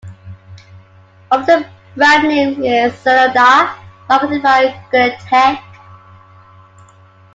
One of the brandnames is Xeloda, marketed by Genentech.